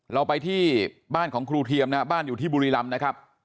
เราไปที่บ้านของครูเทียมนะครับบ้านอยู่ที่บุรีรำนะครับ